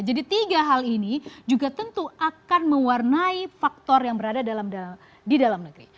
jadi tiga hal ini juga tentu akan mewarnai faktor yang berada di dalam negeri